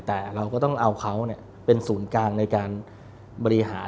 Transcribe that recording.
แต่เราก็ต้องเอาเขาเป็นศูนย์กลางในการบริหาร